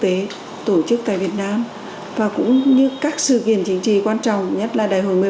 em bố thức hôm qua em nghĩ là nó hết rồi